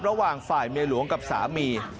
ระหว่างฝ่ายเมียหลวงกับสามี